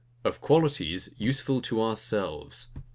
OF QUALITIES USEFUL TO OURSELVES.